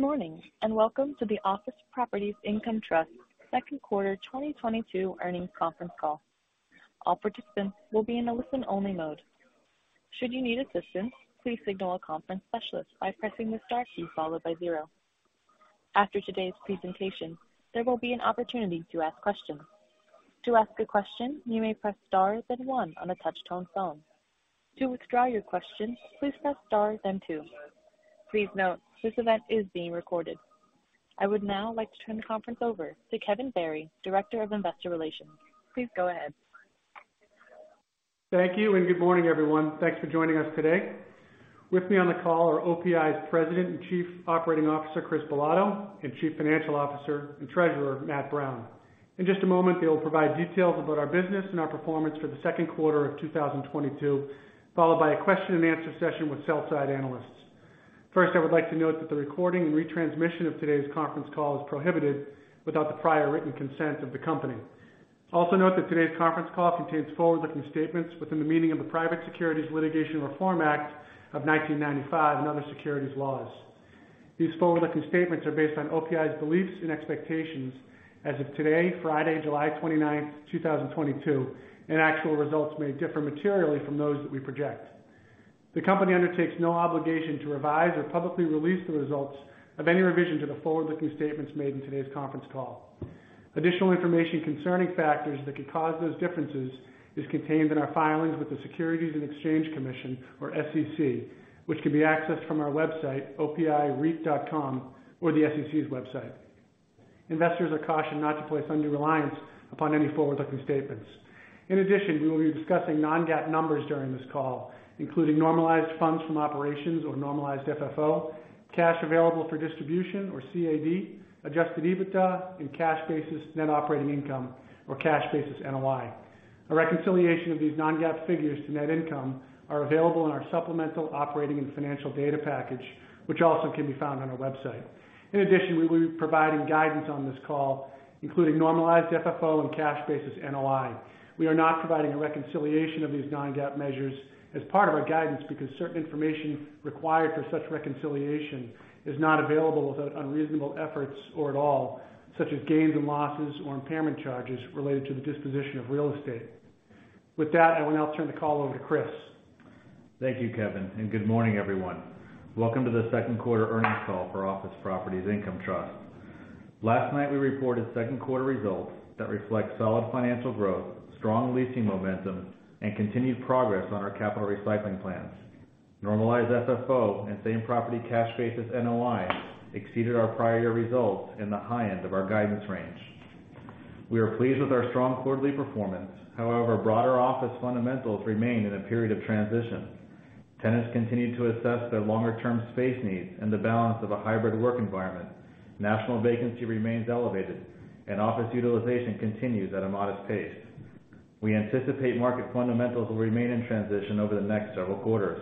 Good morning, and welcome to the Office Properties Income Trust second quarter 2022 earnings conference call. All participants will be in a listen-only mode. Should you need assistance, please signal a conference specialist by pressing the star key followed by zero. After today's presentation, there will be an opportunity to ask questions. To ask a question, you may press star then one on a touch-tone phone. To withdraw your question, please press star then two. Please note, this event is being recorded. I would now like to turn the conference over to Kevin Barry, Director of Investor Relations. Please go ahead. Thank you and good morning, everyone. Thanks for joining us today. With me on the call are OPI's President and Chief Operating Officer, Chris Bolado, and Chief Financial Officer and Treasurer, Matt Brown. In just a moment, they will provide details about our business and our performance for the second quarter of 2022, followed by a question and answer session with sell-side analysts. First, I would like to note that the recording and retransmission of today's conference call is prohibited without the prior written consent of the company. Also note that today's conference call contains forward-looking statements within the meaning of the Private Securities Litigation Reform Act of 1995 and other securities laws. These forward-looking statements are based on OPI's beliefs and expectations as of today, Friday, July 29, 2022, and actual results may differ materially from those that we project. The company undertakes no obligation to revise or publicly release the results of any revision to the forward-looking statements made in today's conference call. Additional information concerning factors that could cause those differences is contained in our filings with the Securities and Exchange Commission, or SEC, which can be accessed from our website, opireit.com, or the SEC's website. Investors are cautioned not to place undue reliance upon any forward-looking statements. In addition, we will be discussing non-GAAP numbers during this call, including normalized funds from operations or normalized FFO, cash available for distribution or CAD, adjusted EBITDA, and cash basis net operating income or cash basis NOI. A reconciliation of these non-GAAP figures to net income are available in our supplemental operating and financial data package, which also can be found on our website. In addition, we will be providing guidance on this call, including normalized FFO and cash basis NOI. We are not providing a reconciliation of these non-GAAP measures as part of our guidance because certain information required for such reconciliation is not available without unreasonable efforts or at all, such as gains and losses or impairment charges related to the disposition of real estate. With that, I will now turn the call over to Chris. Thank you, Kevin, and good morning, everyone. Welcome to the second quarter earnings call for Office Properties Income Trust. Last night, we reported second quarter results that reflect solid financial growth, strong leasing momentum, and continued progress on our capital recycling plans. Normalized FFO and same-property cash basis NOI exceeded our prior year results in the high end of our guidance range. We are pleased with our strong quarterly performance. However, broader office fundamentals remain in a period of transition. Tenants continue to assess their longer-term space needs and the balance of a hybrid work environment. National vacancy remains elevated, and office utilization continues at a modest pace. We anticipate market fundamentals will remain in transition over the next several quarters.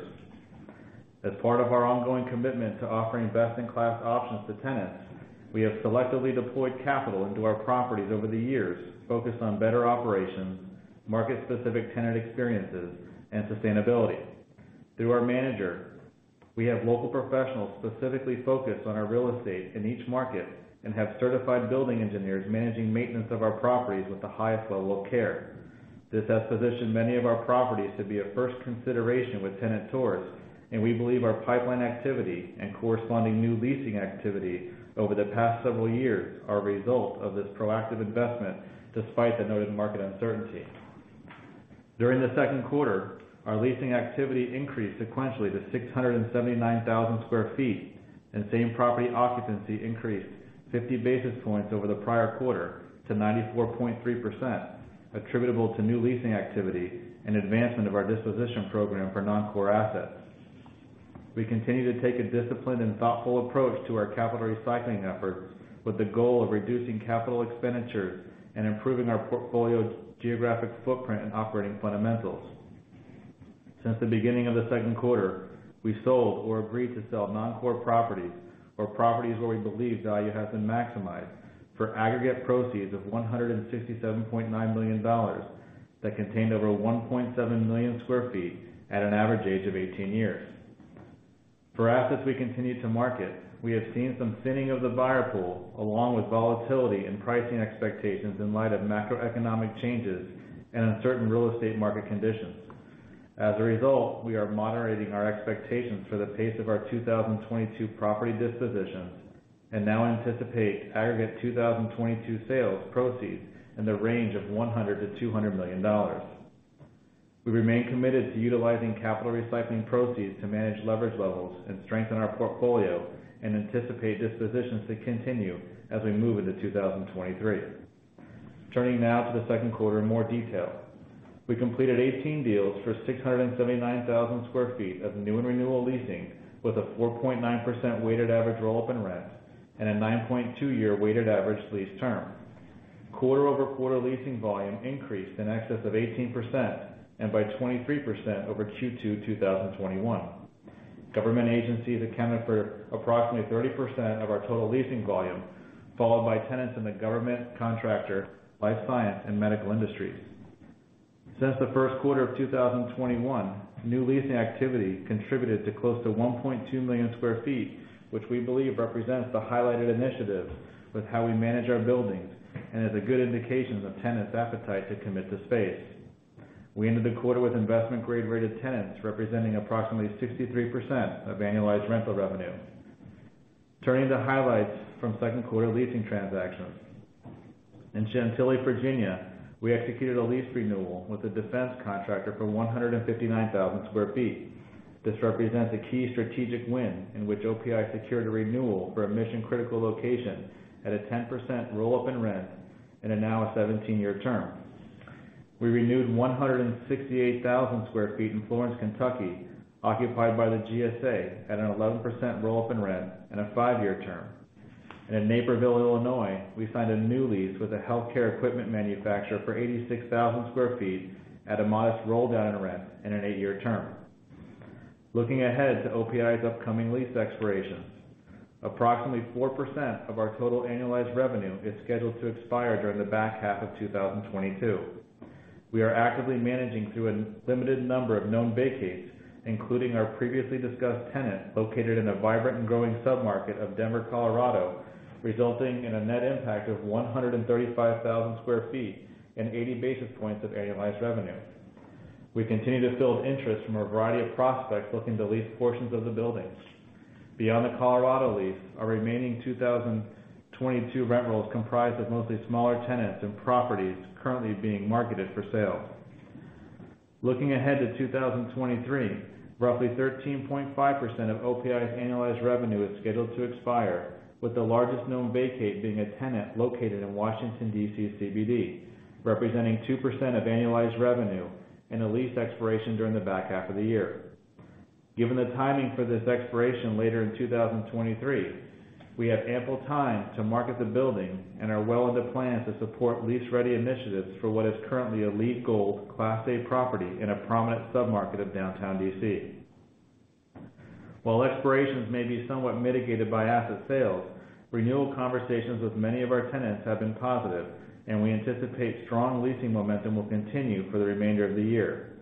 As part of our ongoing commitment to offering best-in-class options to tenants, we have selectively deployed capital into our properties over the years, focused on better operations, market-specific tenant experiences, and sustainability. Through our manager, we have local professionals specifically focused on our real estate in each market and have certified building engineers managing maintenance of our properties with the highest level of care. This has positioned many of our properties to be a first consideration with tenant tours, and we believe our pipeline activity and corresponding new leasing activity over the past several years are a result of this proactive investment despite the noted market uncertainty. During the second quarter, our leasing activity increased sequentially to 679,000 sq ft, and same-property occupancy increased 50 basis points over the prior quarter to 94.3%, attributable to new leasing activity and advancement of our disposition program for non-core assets. We continue to take a disciplined and thoughtful approach to our capital recycling efforts with the goal of reducing capital expenditures and improving our portfolio geographic footprint and operating fundamentals. Since the beginning of the second quarter, we sold or agreed to sell non-core properties or properties where we believe value has been maximized for aggregate proceeds of $167.9 million that contained over 1.7 million sq ft at an average age of 18 years. For assets we continue to market, we have seen some thinning of the buyer pool along with volatility in pricing expectations in light of macroeconomic changes and uncertain real estate market conditions. As a result, we are moderating our expectations for the pace of our 2022 property dispositions and now anticipate aggregate 2022 sales proceeds in the range of $100 million-$200 million. We remain committed to utilizing capital recycling proceeds to manage leverage levels and strengthen our portfolio and anticipate dispositions to continue as we move into 2023. Turning now to the second quarter in more detail. We completed 18 deals for 679,000 sq ft of new and renewal leasing with a 4.9% weighted average roll-up in rent and a 9.2-year weighted average lease term. Quarter-over-quarter leasing volume increased in excess of 18% and by 23% over Q2 2021. Government agencies accounted for approximately 30% of our total leasing volume, followed by tenants in the government contractor, life science, and medical industries. Since the first quarter of 2021, new leasing activity contributed to close to 1.2 million sq ft, which we believe represents the highlighted initiative with how we manage our buildings and is a good indication of tenants' appetite to commit to space. We ended the quarter with investment grade-rated tenants representing approximately 63% of annualized rental revenue. Turning to highlights from second quarter leasing transactions. In Chantilly, Virginia, we executed a lease renewal with a defense contractor for 159,000 sq ft. This represents a key strategic win in which OPI secured a renewal for a mission-critical location at a 10% roll-up in rent and are now a 17-year term. We renewed 168,000 sq ft in Florence, Kentucky, occupied by the GSA at an 11% roll-up in rent and a 5-year term. In Naperville, Illinois, we signed a new lease with a healthcare equipment manufacturer for 86,000 sq ft at a modest roll-down in rent and an 8-year term. Looking ahead to OPI's upcoming lease expirations. Approximately 4% of our total annualized revenue is scheduled to expire during the back half of 2022. We are actively managing through a limited number of known vacates, including our previously discussed tenant located in a vibrant and growing submarket of Denver, Colorado, resulting in a net impact of 135,000 sq ft and 80 basis points of annualized revenue. We continue to build interest from a variety of prospects looking to lease portions of the buildings. Beyond the Colorado lease, our remaining 2022 rent roll is comprised of mostly smaller tenants and properties currently being marketed for sale. Looking ahead to 2023, roughly 13.5% of OPI's annualized revenue is scheduled to expire, with the largest known vacate being a tenant located in Washington, D.C.'s CBD, representing 2% of annualized revenue and a lease expiration during the back half of the year. Given the timing for this expiration later in 2023, we have ample time to market the building and are well into plans to support lease-ready initiatives for what is currently a LEED Gold Class A property in a prominent submarket of downtown D.C. While expirations may be somewhat mitigated by asset sales, renewal conversations with many of our tenants have been positive, and we anticipate strong leasing momentum will continue for the remainder of the year.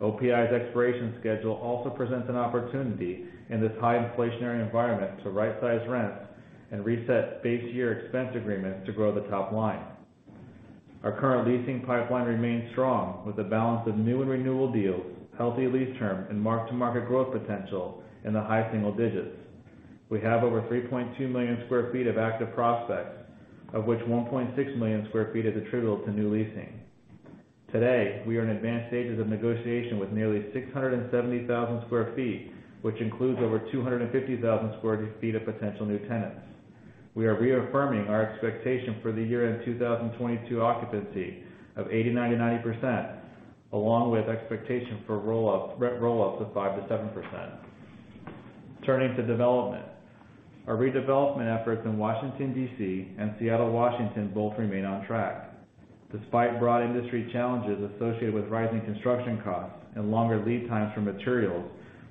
OPI's expiration schedule also presents an opportunity in this high inflationary environment to rightsize rents and reset base year expense agreements to grow the top line. Our current leasing pipeline remains strong with a balance of new and renewal deals, healthy lease term, and mark-to-market growth potential in the high single digits. We have over 3.2 million sq ft of active prospects, of which 1.6 million sq ft is attributable to new leasing. Today, we are in advanced stages of negotiation with nearly 670,000 sq ft, which includes over 250,000 sq ft of potential new tenants. We are reaffirming our expectation for the year-end 2022 occupancy of 80%-90%, along with expectation for roll-up rent roll-ups of 5%-7%. Turning to development. Our redevelopment efforts in Washington, D.C., and Seattle, Washington, both remain on track. Despite broad industry challenges associated with rising construction costs and longer lead times for materials,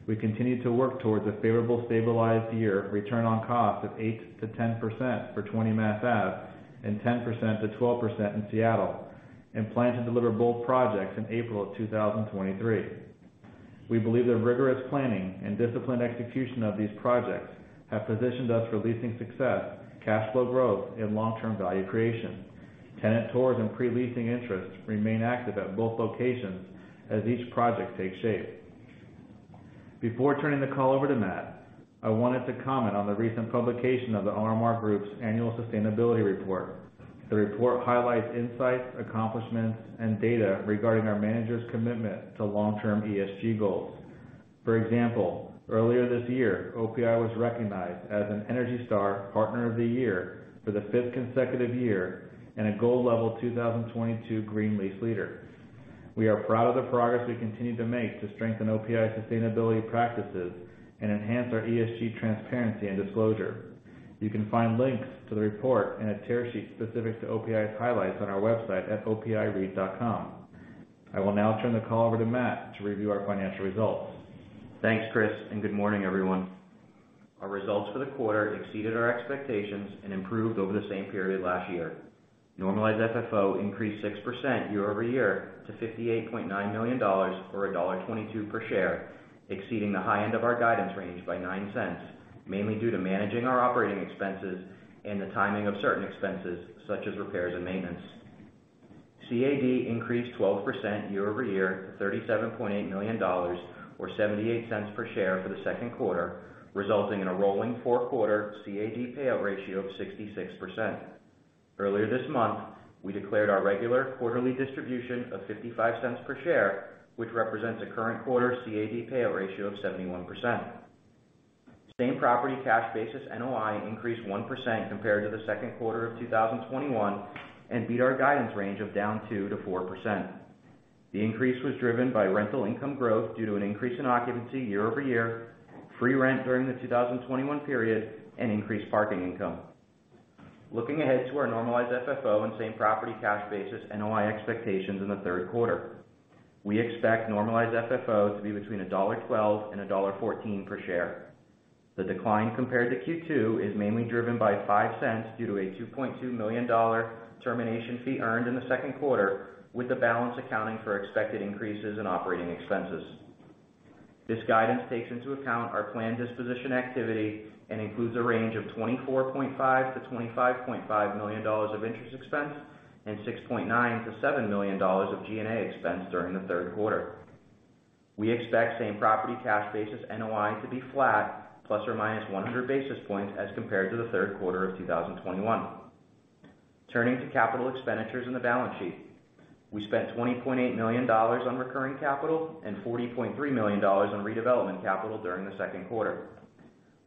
we continue to work towards a favorable stabilized yield on cost of 8%-10% for 20 Mass Ave and 10%-12% in Seattle, and plan to deliver both projects in April 2023. We believe that rigorous planning and disciplined execution of these projects have positioned us for leasing success, cash flow growth, and long-term value creation. Tenant tours and pre-leasing interests remain active at both locations as each project takes shape. Before turning the call over to Matt, I wanted to comment on the recent publication of The RMR Group's annual sustainability report. The report highlights insights, accomplishments, and data regarding our managers' commitment to long-term ESG goals. For example, earlier this year, OPI was recognized as an ENERGY STAR Partner of the Year for the fifth consecutive year and a gold-level 2022 Green Lease Leader. We are proud of the progress we continue to make to strengthen OPI's sustainability practices and enhance our ESG transparency and disclosure. You can find links to the report and a tear sheet specific to OPI's highlights on our website at opireit.com. I will now turn the call over to Matt to review our financial results. Thanks, Chris, and good morning, everyone. Our results for the quarter exceeded our expectations and improved over the same period last year. Normalized FFO increased 6% year-over-year to $58.9 million or $1.22 per share, exceeding the high end of our guidance range by $0.09, mainly due to managing our operating expenses and the timing of certain expenses, such as repairs and maintenance. CAD increased 12% year-over-year to $37.8 million or $0.78 per share for the second quarter, resulting in a rolling four-quarter CAD payout ratio of 66%. Earlier this month, we declared our regular quarterly distribution of $0.55 per share, which represents a current quarter CAD payout ratio of 71%. Same-property cash basis NOI increased 1% compared to the second quarter of 2021 and beat our guidance range of down 2%-4%. The increase was driven by rental income growth due to an increase in occupancy year-over-year, free rent during the 2021 period, and increased parking income. Looking ahead to our normalized FFO and same-property cash basis NOI expectations in the third quarter. We expect normalized FFO to be between $1.12 and $1.14 per share. The decline compared to Q2 is mainly driven by $0.05 due to a $2.2 million dollar termination fee earned in the second quarter, with the balance accounting for expected increases in operating expenses. This guidance takes into account our planned disposition activity and includes a range of $24.5 million-$25.5 million of interest expense and $6.9 million-$7 million of G&A expense during the third quarter. We expect same property cash basis NOI to be flat plus or minus 100 basis points as compared to the third quarter of 2021. Turning to capital expenditures in the balance sheet. We spent $20.8 million on recurring capital and $40.3 million in redevelopment capital during the second quarter.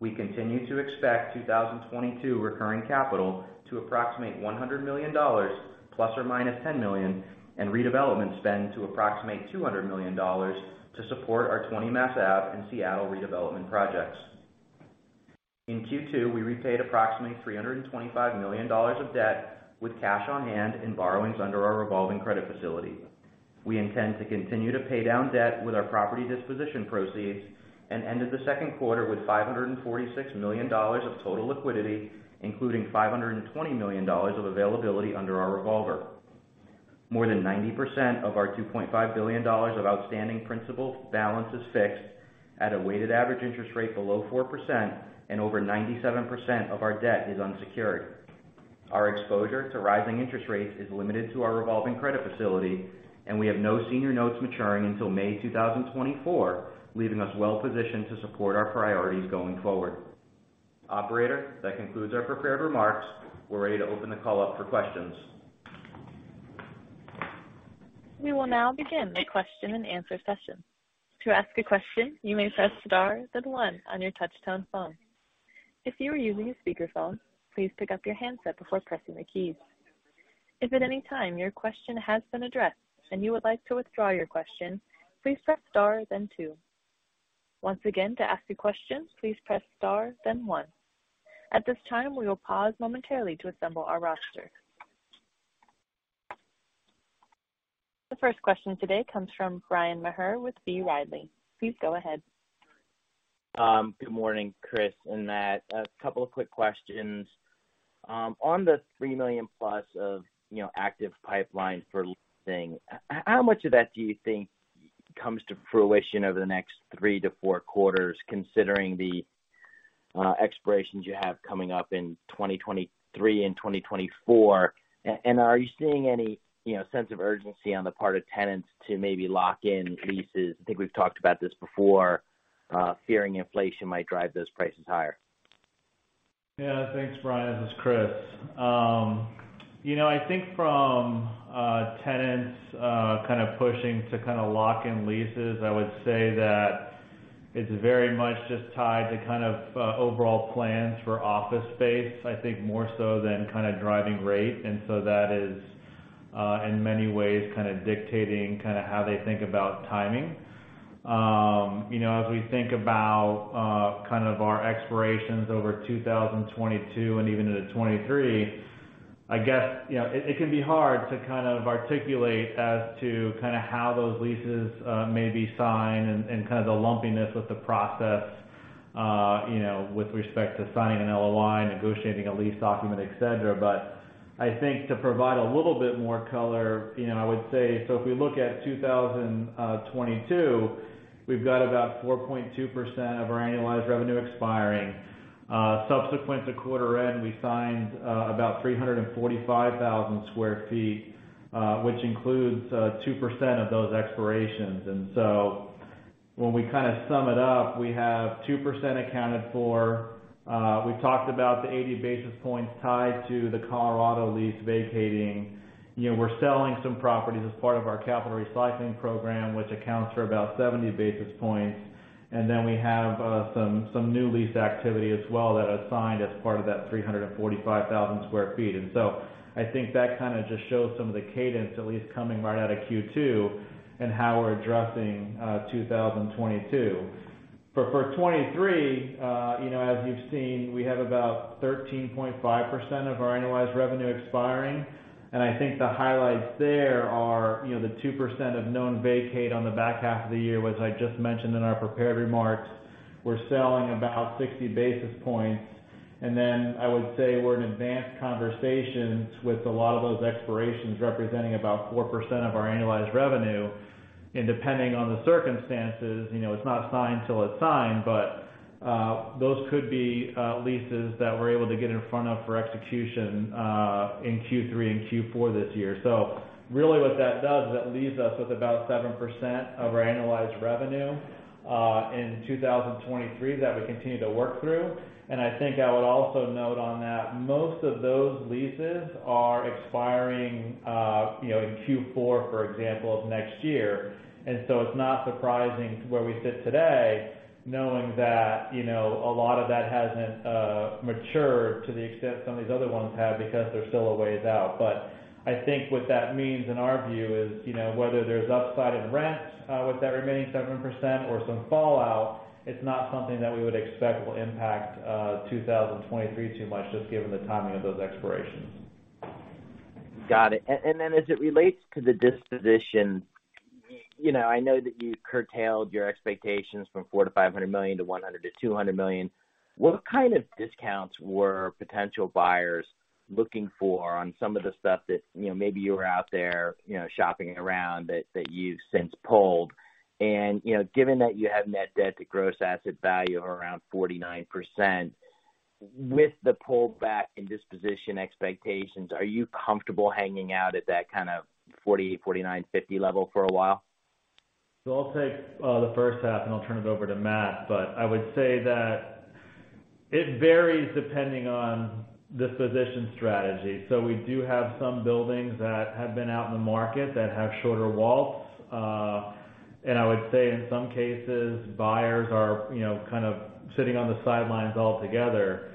We continue to expect 2022 recurring capital to approximate $100 million ±$10 million, and redevelopment spend to approximate $200 million to support our 20 Mass Ave and Seattle redevelopment projects. In Q2, we repaid approximately $325 million of debt with cash on hand and borrowings under our revolving credit facility. We intend to continue to pay down debt with our property disposition proceeds and ended the second quarter with $546 million of total liquidity, including $520 million of availability under our revolver. More than 90% of our $2.5 billion of outstanding principal balance is fixed at a weighted average interest rate below 4% and over 97% of our debt is unsecured. Our exposure to rising interest rates is limited to our revolving credit facility, and we have no senior notes maturing until May 2024, leaving us well-positioned to support our priorities going forward. Operator, that concludes our prepared remarks. We're ready to open the call up for questions. We will now begin the question-and-answer session. To ask a question, you may press star then one on your touchtone phone. If you are using a speakerphone, please pick up your handset before pressing the keys. If at any time your question has been addressed and you would like to withdraw your question, please press star then two. Once again, to ask a question, please press star then one. At this time, we will pause momentarily to assemble our roster. The first question today comes from Bryan Maher with B. Riley. Please go ahead. Good morning, Chris and Matt. A couple of quick questions. On the $3 million-plus of, you know, active pipeline for leasing, how much of that do you think comes to fruition over the next three to four quarters, considering the expirations you have coming up in 2023 and 2024? Are you seeing any, you know, sense of urgency on the part of tenants to maybe lock in leases, I think we've talked about this before, fearing inflation might drive those prices higher? Yeah. Thanks, Bryan. This is Chris. You know, I think from tenants kind of pushing to kind of lock in leases, I would say that it's very much just tied to kind of overall plans for office space. I think more so than kind of driving rate. That is in many ways kind of dictating kind of how they think about timing. You know, as we think about kind of our expirations over 2022 and even into 2023, I guess you know, it can be hard to kind of articulate as to kind of how those leases may be signed and kind of the lumpiness with the process, you know, with respect to signing an LOI, negotiating a lease document, et cetera. I think to provide a little bit more color, you know, I would say, so if we look at 2022, we've got about 4.2% of our annualized revenue expiring. Subsequent to quarter end, we signed about 345,000 sq ft, which includes 2% of those expirations. When we kind of sum it up, we have 2% accounted for. We've talked about the 80 basis points tied to the Colorado lease vacating. You know, we're selling some properties as part of our capital recycling program, which accounts for about 70 basis points. Then we have some new lease activity as well that is signed as part of that 345,000 sq ft. I think that kind of just shows some of the cadence, at least coming right out of Q2 and how we're addressing 2022. For 2023, you know, as you've seen, we have about 13.5% of our annualized revenue expiring. I think the highlights there are, you know, the 2% of known vacate on the back half of the year, which I just mentioned in our prepared remarks. We're selling about 60 basis points. Then I would say we're in advanced conversations with a lot of those expirations representing about 4% of our annualized revenue. Depending on the circumstances, you know, it's not signed till it's signed, but those could be leases that we're able to get in front of for execution in Q3 and Q4 this year. Really what that does is it leaves us with about 7% of our annualized revenue in 2023 that we continue to work through. I think I would also note on that most of those leases are expiring, you know, in Q4, for example, of next year. It's not surprising where we sit today knowing that, you know, a lot of that hasn't matured to the extent some of these other ones have because they're still a ways out. I think what that means in our view is, you know, whether there's upside in rent with that remaining 7% or some fallout, it's not something that we would expect will impact 2023 too much just given the timing of those expirations. Got it. As it relates to the disposition, you know, I know that you curtailed your expectations from $400 million-$500 million to $100 million-$200 million. What kind of discounts were potential buyers looking for on some of the stuff that, you know, maybe you were out there, you know, shopping around that you've since pulled? You know, given that you have net debt to gross asset value of around 49%, with the pullback in disposition expectations, are you comfortable hanging out at that kind of 40, 49, 50 level for a while? I'll take the first half and I'll turn it over to Matt. I would say that it varies depending on disposition strategy. We do have some buildings that have been out in the market that have shorter walls. I would say in some cases, buyers are, you know, kind of sitting on the sidelines altogether.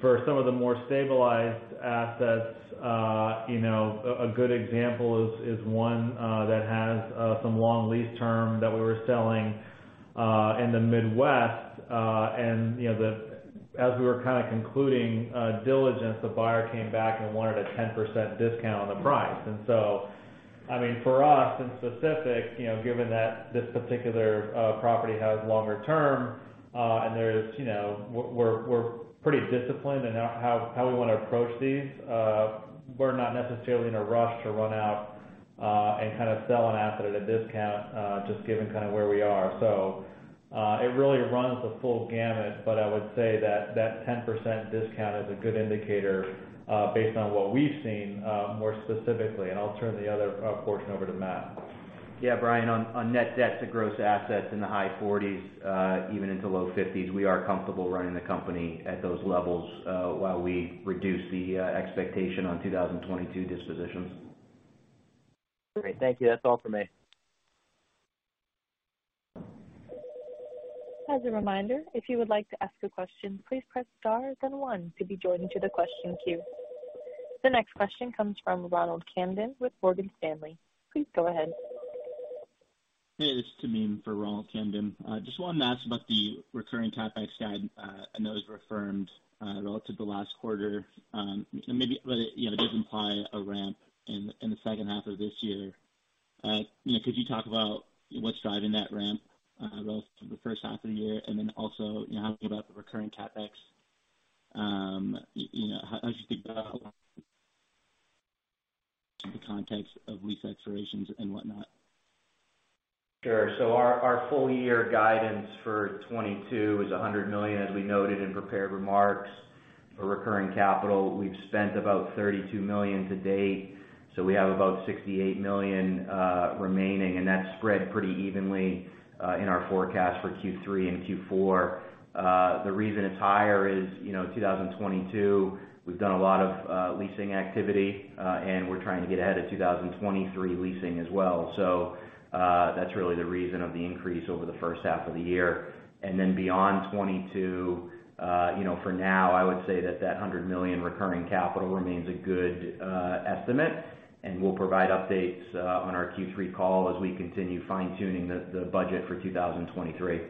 For some of the more stabilized assets, a good example is one that has some long lease term that we were selling in the Midwest. As we were kinda concluding diligence, the buyer came back and wanted a 10% discount on the price. I mean, for us, in specific, you know, given that this particular property has longer term, and there's, you know, we're pretty disciplined in how we wanna approach these, we're not necessarily in a rush to run out and kinda sell an asset at a discount, just given kinda where we are. It really runs the full gamut, but I would say that 10% discount is a good indicator, based on what we've seen, more specifically, and I'll turn the other portion over to Matt. Yeah, Bryan, on net debt to gross assets in the high 40s, even into low 50s, we are comfortable running the company at those levels while we reduce the expectation on 2022 dispositions. Great. Thank you. That's all for me. As a reminder, if you would like to ask a question, please press star then one to be joined into the question queue. The next question comes from Ronald Kamdem with Morgan Stanley. Please go ahead. Hey, this is Tamim for Ronald Kamdem. Just wanted to ask about the recurring CapEx guide. I know it was reaffirmed relative to last quarter. Maybe, but it, you know, does imply a ramp in the second half of this year. You know, could you talk about what's driving that ramp relative to the first half of the year, and then also, you know, how about the recurring CapEx? You know, how do you think that the context of lease expirations and whatnot? Sure. Our full year guidance for 2022 is $100 million, as we noted in prepared remarks. For recurring capital, we've spent about $32 million to date. We have about $68 million remaining, and that's spread pretty evenly in our forecast for Q3 and Q4. The reason it's higher is, you know, 2022, we've done a lot of leasing activity, and we're trying to get ahead of 2023 leasing as well. That's really the reason of the increase over the first half of the year. Then beyond 2022, you know, for now, I would say that $100 million recurring capital remains a good estimate, and we'll provide updates on our Q3 call as we continue fine-tuning the budget for 2023.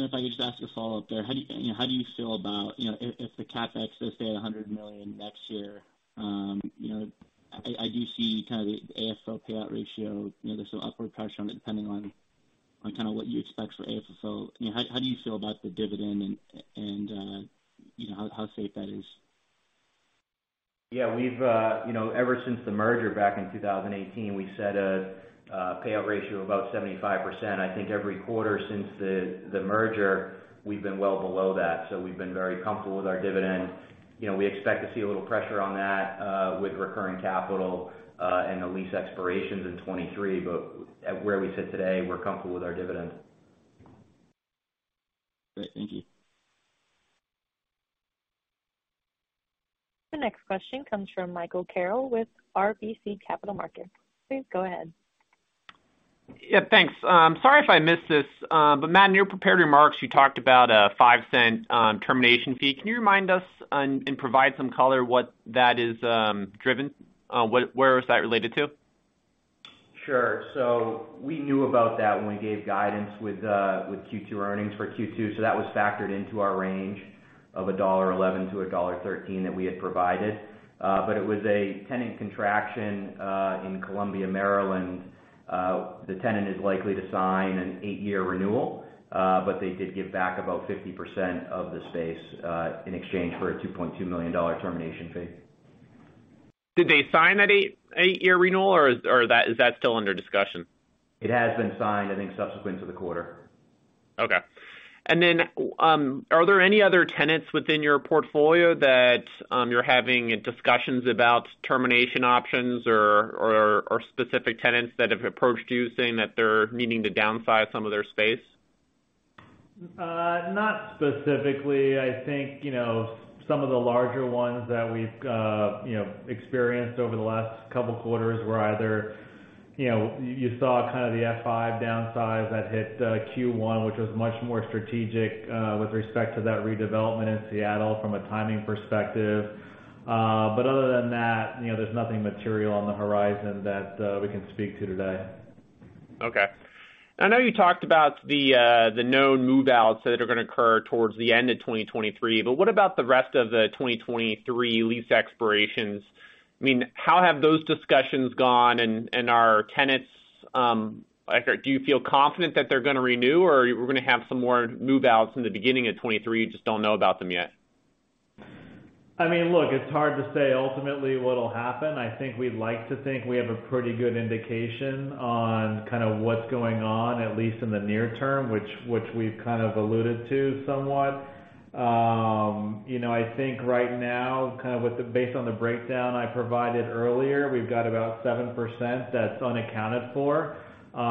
If I could just ask a follow-up there. How do you know, how do you feel about, you know, if the CapEx does stay at $100 million next year, you know, I do see kind of the AFFO payout ratio, you know, there's some upward pressure on it depending on kinda what you expect for AFFO. You know, how do you feel about the dividend and, you know, how safe that is? Yeah, we've, you know, ever since the merger back in 2018, we've set a payout ratio of about 75%. I think every quarter since the merger, we've been well below that. We've been very comfortable with our dividend. You know, we expect to see a little pressure on that, with recurring capital, and the lease expirations in 2023. Where we sit today, we're comfortable with our dividend. Great. Thank you. The next question comes from Michael Carroll with RBC Capital Markets. Please go ahead. Yeah, thanks. Sorry if I missed this, but Matt, in your prepared remarks, you talked about a $0.05 termination fee. Can you remind us and provide some color what that is driven? Where is that related to? Sure. We knew about that when we gave guidance with Q2 earnings for Q2. That was factored into our range of $1.11-$1.13 that we had provided. It was a tenant contraction in Columbia, Maryland. The tenant is likely to sign an 8-year renewal, but they did give back about 50% of the space in exchange for a $2.2 million termination fee. Did they sign that 8-year renewal, or is that still under discussion? It has been signed, I think, subsequent to the quarter. Okay, are there any other tenants within your portfolio that you're having discussions about termination options or specific tenants that have approached you saying that they're needing to downsize some of their space? Not specifically. I think, you know, some of the larger ones that we've, you know, experienced over the last couple quarters were either, you know, you saw kind of the F5 downsize that hit, Q1, which was much more strategic, with respect to that redevelopment in Seattle from a timing perspective. Other than You know, there's nothing material on the horizon that we can speak to today. Okay. I know you talked about the known move-outs that are gonna occur towards the end of 2023, but what about the rest of the 2023 lease expirations? I mean, how have those discussions gone and are tenants or do you feel confident that they're gonna renew or you were gonna have some more move-outs in the beginning of 2023, you just don't know about them yet? I mean, look, it's hard to say ultimately what'll happen. I think we'd like to think we have a pretty good indication on kind of what's going on, at least in the near term, which we've kind of alluded to somewhat. You know, I think right now, based on the breakdown I provided earlier, we've got about 7% that's unaccounted for,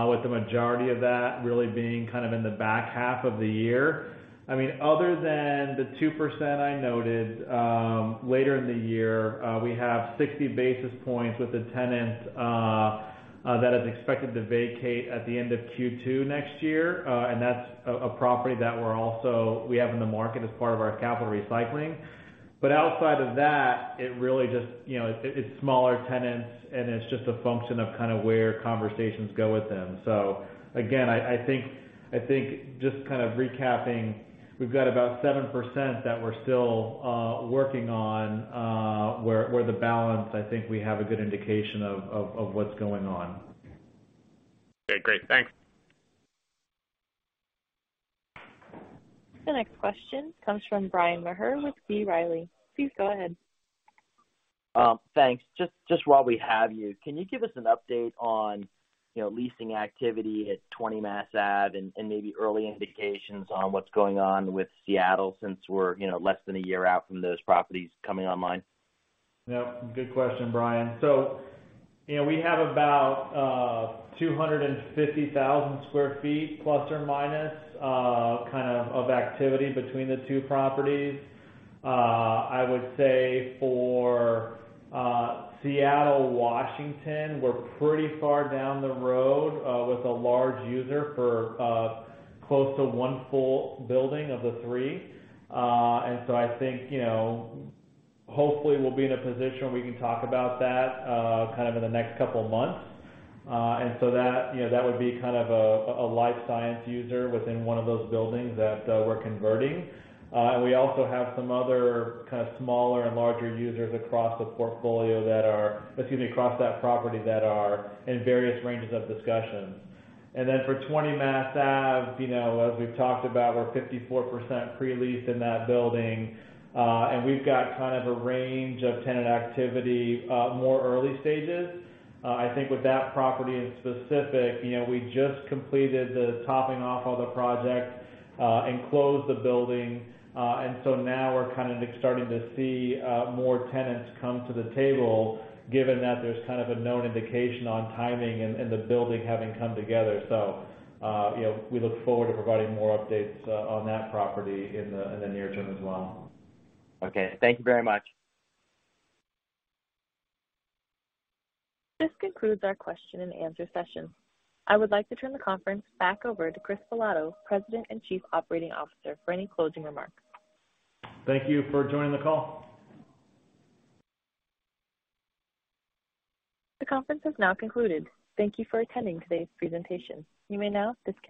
with the majority of that really being kind of in the back half of the year. I mean, other than the 2% I noted later in the year, we have 60 basis points with the tenants that is expected to vacate at the end of Q2 next year. That's a property that we have in the market as part of our capital recycling. Outside of that, it really just, you know, it's smaller tenants, and it's just a function of kind of where conversations go with them. Again, I think just kind of recapping, we've got about 7% that we're still working on, where the balance, I think we have a good indication of what's going on. Okay, great. Thanks. The next question comes from Bryan Maher with B. Riley. Please go ahead. Thanks. Just while we have you, can you give us an update on, you know, leasing activity at 20 Mass Ave and maybe early indications on what's going on with Seattle since we're, you know, less than a year out from those properties coming online? Yep, good question, Brian. You know, we have about 250,000 sq ft ± kind of of activity between the two properties. I would say for Seattle, Washington, we're pretty far down the road with a large user for close to one full building of the three. I think, you know, hopefully we'll be in a position where we can talk about that kind of in the next couple of months. That, you know, that would be kind of a life science user within one of those buildings that we're converting. We also have some other kind of smaller and larger users across that property that are in various ranges of discussions. For 20 Mass Ave, you know, as we've talked about, we're 54% pre-leased in that building. We've got kind of a range of tenant activity, more early stages. I think with that property in specific, you know, we just completed the topping off of the project, and closed the building. Now we're kind of starting to see more tenants come to the table, given that there's kind of a known indication on timing and the building having come together. We look forward to providing more updates on that property in the near term as well. Okay. Thank you very much. This concludes our question and answer session. I would like to turn the conference back over to Christopher Bilotto, President and Chief Operating Officer, for any closing remarks. Thank you for joining the call. The conference has now concluded. Thank you for attending today's presentation. You may now disconnect.